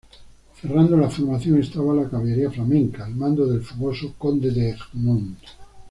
Cerrando la formación estaba la caballería flamenca, al mando del fogoso Conde de Egmont.